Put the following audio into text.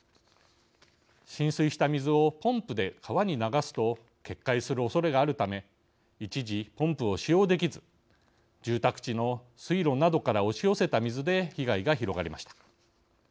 浸水した水をポンプで川に流すと決壊するおそれがあるため一時ポンプを使用できず住宅地の水路などから押し寄せた水で被害が広がりました。